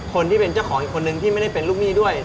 คนที่เป็นเจ้าของอีกคนนึงที่ไม่ได้เป็นลูกหนี้ด้วย